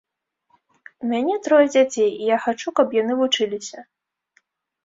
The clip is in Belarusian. У мяне трое дзяцей і я хачу, каб яны вучыліся.